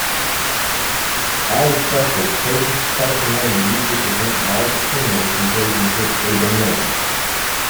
As expected, patients with carcinoma usually present larger tumors than patients with adenoma.